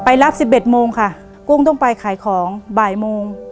รับ๑๑โมงค่ะกุ้งต้องไปขายของบ่ายโมง